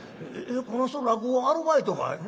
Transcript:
「この人落語アルバイトかい？」。